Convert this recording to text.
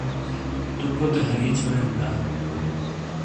تُو کوتے ہَری چھُورین دا؟